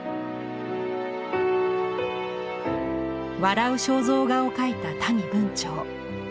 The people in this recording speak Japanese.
笑う肖像画を描いた谷文晁。